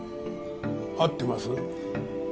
合ってます？